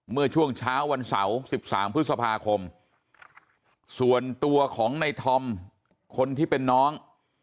เมื่อช่วงเช้าวันเสาร์๑๓พฤษภาคมส่วนตัวของในธอมคนที่เป็นน้อง